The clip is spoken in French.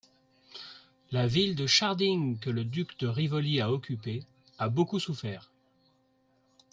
La ville de Scharding que le duc de Rivoli a occupée, a beaucoup souffert.